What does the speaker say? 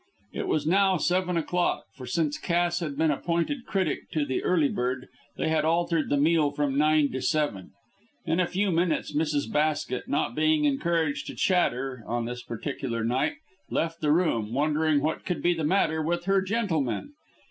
It was now seven o'clock, for since Cass had been appointed critic to the Early Bird they had altered the meal from nine to seven. In a few minutes Mrs. Basket, not being encouraged to chatter on this particular night, left the room wondering what could be the matter with her gentlemen.